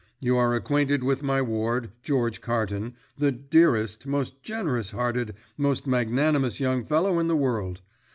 You are acquainted with my ward, George Carton, the dearest, most generous hearted, most magnanimous young fellow in the world.